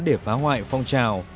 để phá hoại phong trào